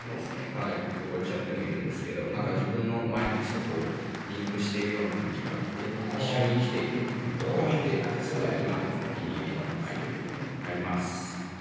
かなり汚れちゃってもいるんですけど何か自分の毎日とこうリンクしているような感じがあって一緒に生きているような感覚があってすごい今でもお気に入りのアイテムになります。